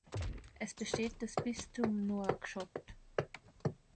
Es besteht das Bistum Nouakchott.